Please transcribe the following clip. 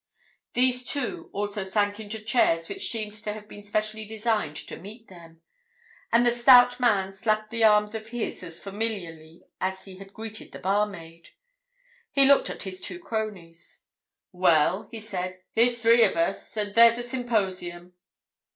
These two also sank into chairs which seemed to have been specially designed to meet them, and the stout man slapped the arms of his as familiarly as he had greeted the barmaid. He looked at his two cronies. "Well?" he said, "Here's three of us. And there's a symposium."